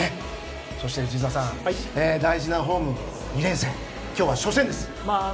そして、内田さん大事なホーム２連戦の今日は、初戦です。